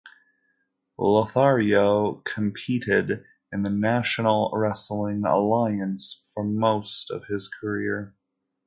Lothario competed in the National Wrestling Alliance for most of his career.